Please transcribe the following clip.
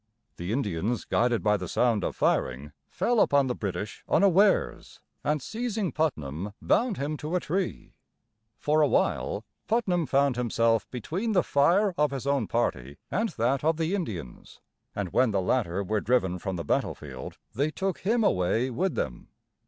The Indians, guided by the sound of firing, fell upon the British unawares, and seizing Putnam bound him to a tree. For a while Putnam found himself between the fire of his own party and that of the Indians; and when the latter were driven from the battlefield, they took him away with them.